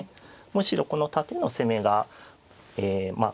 むしろこの縦の攻めがえまあ